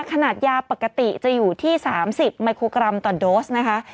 ขนาดยาปกติจะอยู่ที่๓๐ไมโครกรัมต่อโดสนะคะ